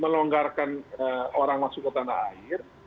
melonggarkan orang masuk ke tanah air